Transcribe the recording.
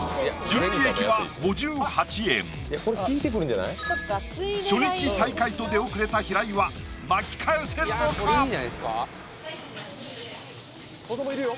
純利益は５８円初日最下位と出遅れた平井は巻き返せるのか⁉子どもいるよ！